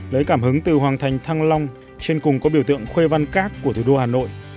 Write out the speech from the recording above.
lấy cảm hứng từ hoàng thành thăng long trên cùng có biểu tượng khuê văn các của thủ đô hà nội